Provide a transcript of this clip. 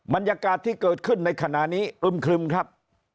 บรรยากาศที่เกิดขึ้นในขณะนี้อึมครึมครับ